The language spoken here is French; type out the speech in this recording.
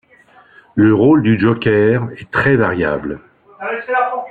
Le rôle du joker est très variable.